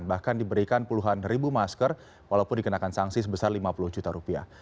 bahkan diberikan puluhan ribu masker walaupun dikenakan sanksi sebesar lima puluh juta rupiah